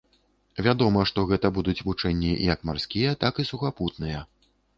Вядома, што гэта будуць вучэнні як марскія, так і сухапутныя.